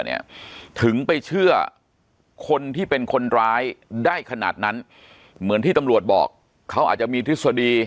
เนี่ยถึงไปเชื่อคนที่เป็นคนร้ายได้ขนาดนั้นเหมือนที่ตำรวจบอกเขาอาจจะมีทฤษฎี